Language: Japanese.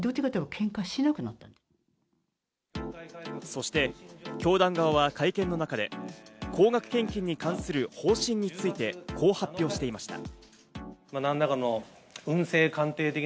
そして教団側は会見の中で高額献金に関する方針について、こう発表していました。